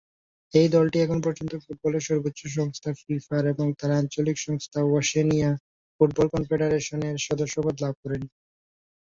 এই দলটি এখন পর্যন্ত ফুটবলের সর্বোচ্চ সংস্থা ফিফার এবং তাদের আঞ্চলিক সংস্থা ওশেনিয়া ফুটবল কনফেডারেশনের সদস্যপদ লাভ করেনি।